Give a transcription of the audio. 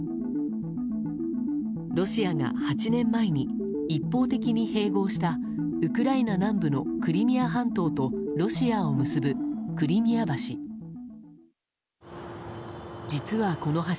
ロシアが８年前に一方的に併合したウクライナ南部のクリミア半島とロシアを結ぶ、クリミア橋。